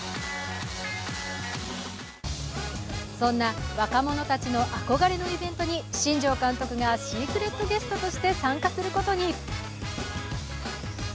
そんな若者たちの憧れのイベントに新庄監督がシークレットゲストとして参加することに。